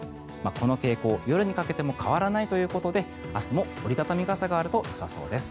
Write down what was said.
この傾向、夜にかけても変わらないということで明日も折り畳み傘があるとよさそうです。